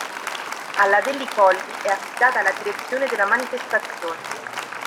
Alla Delli Colli è affidata la direzione della manifestazione.